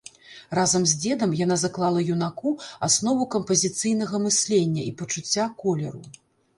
Разам з дзедам яна заклала юнаку аснову кампазіцыйнага мыслення і пачуцця колеру.